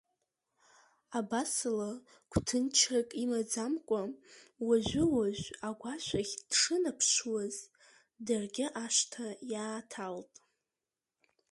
Абас ала гәҭынчрак имаӡамкәа, уажәы-уажә агәашә ахь дшынаԥшуаз, даргьы ашҭа иааҭалт.